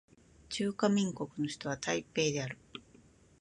中華民国の首都は台北である